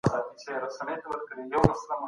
مننه کول ښه عادت دی.